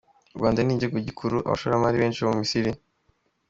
U Rwanda ni igihugu gikurura abashoramari benshi bo mu Misiri.